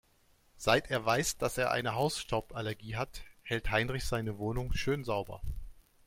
Seit er weiß, dass er eine Hausstauballergie hat, hält Heinrich seine Wohnung schön sauber.